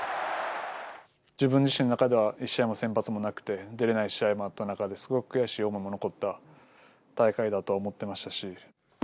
自分自身の中では１試合も先発もなくて、出れない試合もあった中で、すごく悔しい思いも残った大会だと思っていたし。